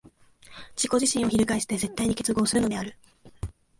自己自身を翻して絶対に結合するのである。